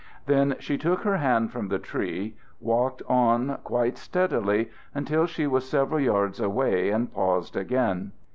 Then she took her hand from the tree, walked on quite steadily until she was several yards away, and paused again.